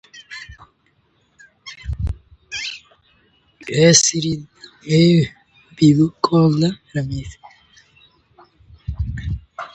For his actions, Bonner was awarded the Victoria Cross.